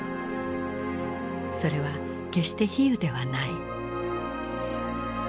それは決して比喩ではない。